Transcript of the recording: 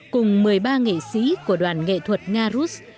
cùng một mươi ba nghệ sĩ của đoàn nghệ thuật nga rus